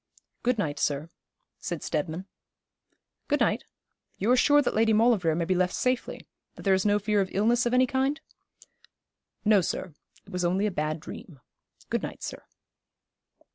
'Good night, sir,' said Steadman. 'Good night. You are sure that Lady Maulevrier may be left safely that there is no fear of illness of any kind?' 'No, sir. It was only a bad dream. Good night, sir.'